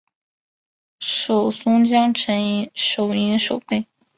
授松江城守营守备。